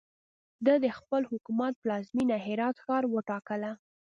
ده د خپل حکومت پلازمینه هرات ښار وټاکله.